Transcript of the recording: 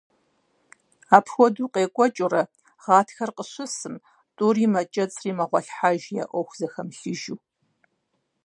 Апхуэдэу екӀуэкӀыурэ, гъатхэр къыщысым, тӀури мэкӀэцӀри мэгъуэлъхьэж, я Ӏуэху зэхэмылъыжу.